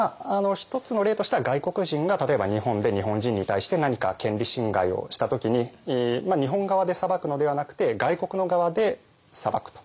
一つの例としては外国人が例えば日本で日本人に対して何か権利侵害をした時に日本側で裁くのではなくて外国の側で裁くと。